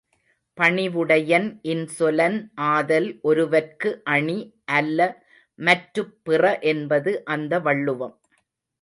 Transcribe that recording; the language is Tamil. பணிவுடையன் இன்சொலன் ஆதல் ஒருவற்கு அணி, அல்ல மற்றுப் பிற என்பது அந்த வள்ளுவம்.